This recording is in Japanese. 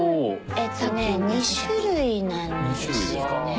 えっとね２種類なんですよね。